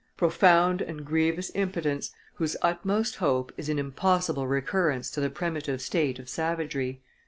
Profound and grievous impotence, whose utmost hope is an impossible recurrence to the primitive state of savagery!